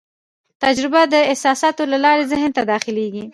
تجربه د احساساتو له لارې ذهن ته داخلېږي.